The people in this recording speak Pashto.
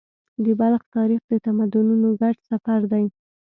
د بلخ تاریخ د تمدنونو ګډ سفر دی.